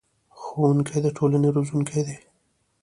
ښوونکي د ټولنې روزونکي دي